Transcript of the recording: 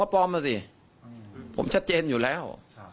ผมชัดเจนอยู่แล้ว